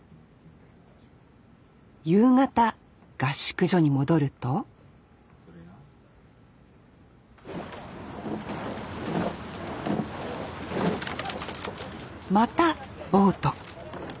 夕方合宿所に戻るとまたボート。